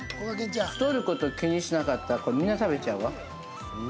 太ること気にしなかったらこれ、みんな食べちゃうわ。